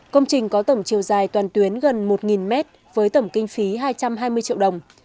công trình có tổng chiều dài toàn tuyến gần một mét với tổng kinh phí hai trăm hai mươi triệu đồng